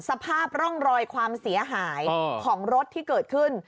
สภาพร่องรอยความเสียหายของรถที่เกิดขึ้น